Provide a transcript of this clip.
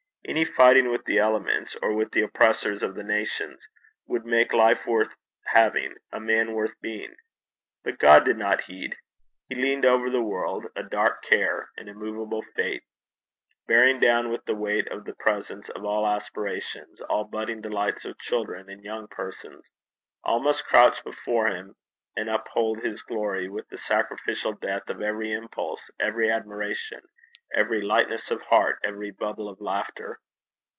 Any fighting with the elements, or with the oppressors of the nations, would make life worth having, a man worth being. But God did not heed. He leaned over the world, a dark care, an immovable fate, bearing down with the weight of his presence all aspiration, all budding delights of children and young persons: all must crouch before him, and uphold his glory with the sacrificial death of every impulse, every admiration, every lightness of heart, every bubble of laughter.